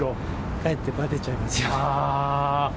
かえってばてちゃいますよ。